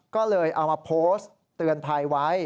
ก็เลยเอามาโพสต์เตือนภัยไว้